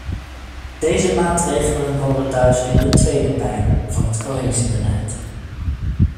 Deze maatregelen horen thuis in de tweede pijler van het cohesiebeleid.